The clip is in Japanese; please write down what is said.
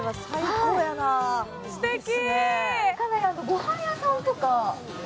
すてき！